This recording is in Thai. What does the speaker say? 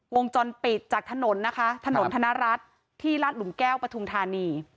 วงจรปิดจากถนนนะคะถนนธนรัฐที่รัฐหลุมแก้วปฐุมธานี